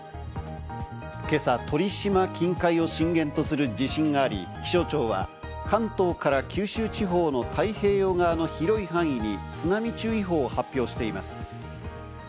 今朝、鳥島近海を震源とする地震があり、気象庁は関東から九州地方の太平洋側の広い範囲に津波注意報を発表しています。